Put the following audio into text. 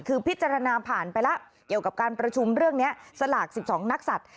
คือพิจารณาผ่านไปแล้วเกี่ยวกับการประชุมเรื่องนี้สลาก๑๒นักศัตริย์